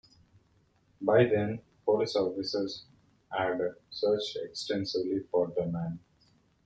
By then, police officers had searched extensively for the man.